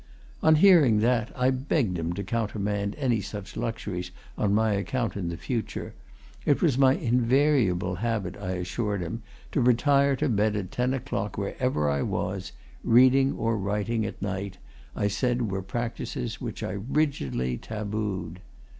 On hearing that, I begged him to countermand any such luxuries on my account in future; it was my invariable habit, I assured him, to retire to bed at ten o'clock, wherever I was reading or writing at night, I said, were practices which I rigidly tabooed.